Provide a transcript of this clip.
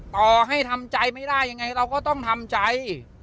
ต่อให้ทำใจไม่ได้ยังไงเราก็ต้องทำใจ